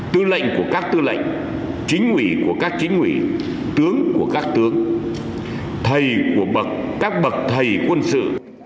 tư lệnh của các tư lệnh chính ủy của các chính ủy tướng của các tướng thầy của bậc các bậc thầy quân sự